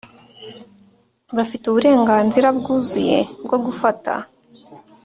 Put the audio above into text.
Bafite uburenganzira bwuzuye bwo gufata